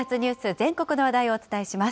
全国の話題をお伝えします。